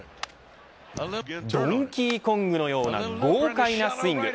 ドンキーコングのような豪快なスイング。